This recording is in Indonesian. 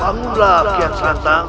bangulah kian santang